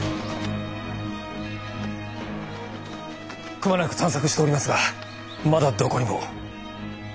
くまなく探索しておりますがまだどこにも。